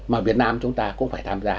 mà việt nam chúng ta cũng phải tham gia